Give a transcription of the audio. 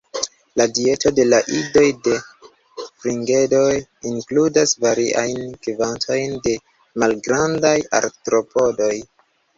La dieto de la idoj de Fringedoj inkludas variajn kvantojn de malgrandaj artropodoj.